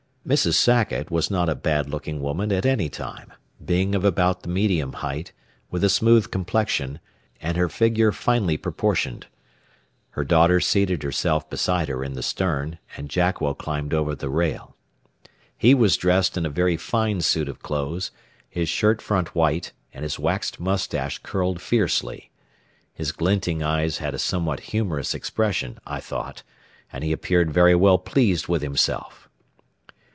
Mrs. Sackett was not a bad looking woman at any time, being of about the medium height, with a smooth complexion, and her figure finely proportioned. Her daughter seated herself beside her in the stern, and Jackwell climbed over the rail. He was dressed in a very fine suit of clothes, his shirt front white, and his waxed mustache curled fiercely. His glinting eyes had a somewhat humorous expression, I thought, and he appeared very well pleased with himself.